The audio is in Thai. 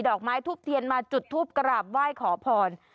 อกไม้ทุบเทียนมาจุดทูปกราบไหว้ขอพร